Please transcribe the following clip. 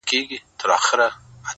زما اشنا خبري پټي ساتي؛